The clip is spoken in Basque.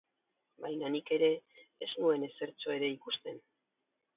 Baina nik ere ez nuen ezertxo ere ikusten.